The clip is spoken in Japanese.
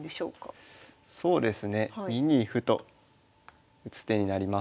そうですね２二歩と打つ手になります。